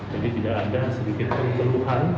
jadi tidak ada sedikit penyeluhan